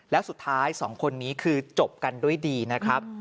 แล้วสุดท้ายสองคนนี้คือจบกันด้วยดีนะครับ